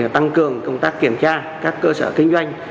tăng cường công tác kiểm tra các cơ sở kinh doanh